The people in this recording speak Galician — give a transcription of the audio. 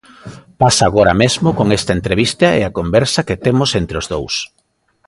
Pasa agora mesmo con esta entrevista e a conversa que temos entre os dous.